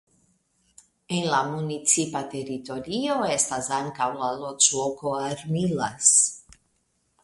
En la municipa teritorio estas ankaŭ la loĝloko Armillas.